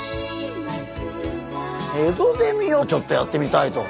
エゾゼミをちょっとやってみたいと。